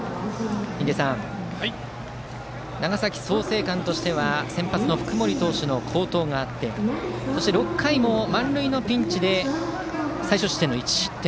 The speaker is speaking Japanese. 印出さん、長崎・創成館としては先発の福盛の好投がありそして６回も満塁のピンチで最少失点の１失点。